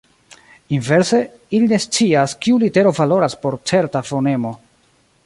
Inverse, ili ne scias, kiu litero valoras por certa fonemo.